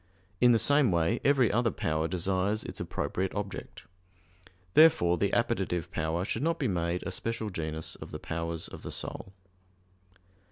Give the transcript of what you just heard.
In the same way every other power desires its appropriate object. Therefore the appetitive power should not be made a special genus of the powers of the soul.